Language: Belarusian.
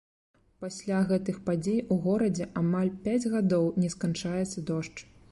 Пасля гэтых падзей у горадзе амаль пяць гадоў не сканчаецца дождж.